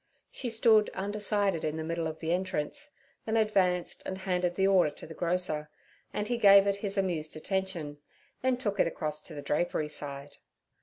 She stood undecided in the middle of the entrance, then advanced and handed the order to the grocer, and he gave it his amused attention, then took it across to the drapery side.